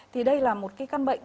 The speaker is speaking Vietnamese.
thì đây là một cái can bệnh